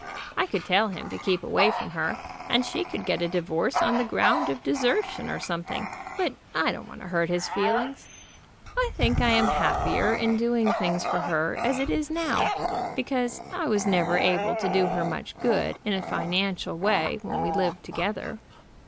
I could tell him to keep away from her, and she could get a divorce on the ground of desertion or something, but I don't want to hurt his feelings. I think I am happier in doing things for her as it is now, because I was never able to do her much good in a financial way when we lived together.